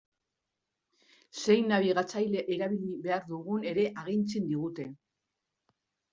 Zein nabigatzaile erabili behar dugun ere agintzen digute.